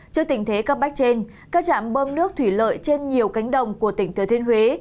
trước tình thế cấp bách trên các trạm bơm nước thủy lợi trên nhiều cánh đồng của tỉnh thừa thiên huế